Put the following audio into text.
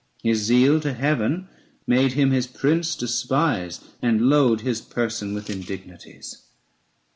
His zeal to Heaven made him his Prince despise, And load his person with indignities.